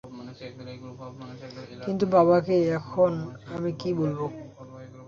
কিন্তু বাবাকে এখন আমি কী বলব?